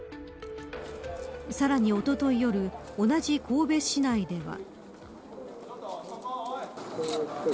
さらに、おととい夜同じ神戸市内では。